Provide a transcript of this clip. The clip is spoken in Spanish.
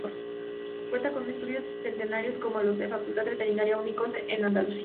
Cuenta con estudios centenarios como los de la Facultad de Veterinaria, únicos en Andalucía.